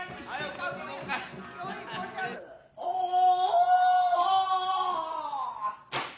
おお。